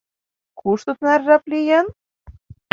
Кушто тынар жап лийын?